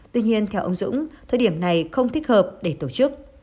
tuy nhiên theo ông dũng thời điểm này không thích hợp để tổ chức